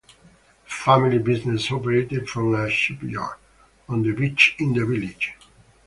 The family business operated from a shipyard on the beach in the village.